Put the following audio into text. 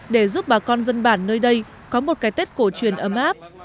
để giúp bà con dân bản nơi đây có một cái tết cổ truyền ấm áp